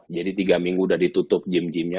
jadi tiga minggu sudah ditutup gym gymnya